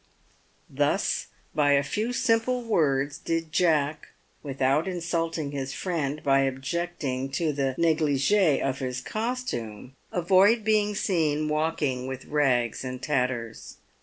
Thus, by a few simple words, did Jack, with out insulting his friend by objecting to the neglige of his costume, avoid being seen walking with rags and tatters.